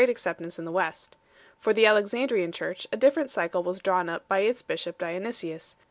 acceptance in the West. For the Alexandrian Church a different cycle was drawn up by its bishop Dionysius 1